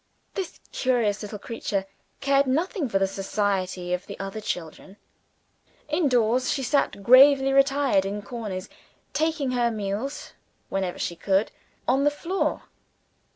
This curious little creature cared nothing for the society of the other children. Indoors, she sat gravely retired in corners, taking her meals (whenever she could) on the floor.